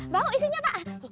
bau isinya pak